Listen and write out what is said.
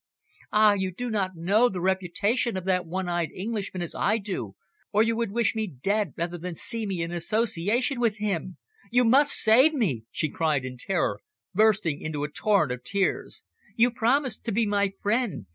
Ah! you do not know the reputation of that one eyed Englishman as I do, or you would wish me dead rather than see me in association with him. You must save me!" she cried in terror, bursting into a torrent of tears. "You promised to be my friend.